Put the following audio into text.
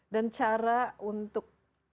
dan cara untuk